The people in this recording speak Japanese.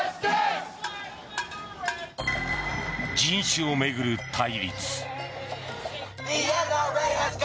人種を巡る対立。